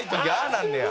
なんねや。